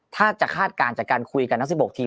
ถ้าจะคาดการณ์จากการคุยกันทั้ง๑๖ทีม